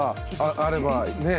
あればねえ。